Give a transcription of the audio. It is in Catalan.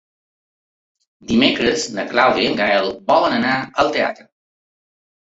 Dimecres na Clàudia i en Gaël volen anar al teatre.